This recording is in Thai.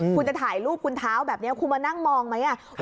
คุณจะถ่ายรูปคุณเท้าแบบนี้คุณมานั่งมองไหม